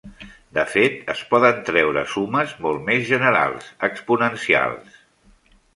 De fet, es poden treure sumes molt més generals exponencials.